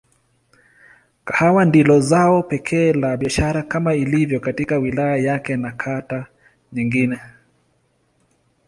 Kahawa ndilo zao pekee la biashara kama ilivyo katika wilaya yake na kata nyingine.